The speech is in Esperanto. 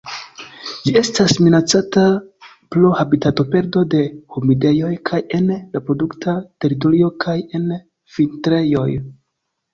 Ĝi estas minacata pro habitatoperdo de humidejoj kaj en reprodukta teritorio kaj en vintrejoj.